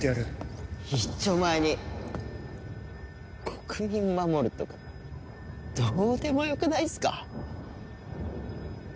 一丁前に国民守るとかどうでもよくないっすか？